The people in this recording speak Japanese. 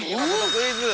クイズ！